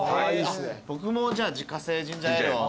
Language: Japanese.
僕もじゃあ自家製ジンジャーエールを。